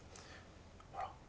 ほら。